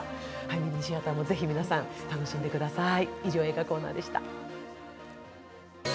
ミニシアターもぜひ皆さん楽しんでください。